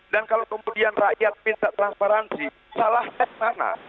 dan kalau pembelian rakyat minta transparansi salahnya mana